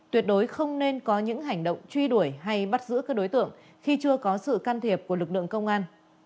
tuyệt đối không nên có những hành động truy đuổi hay bắt giữ các đối tượng khi chưa có sự can thiệp của lực lượng công an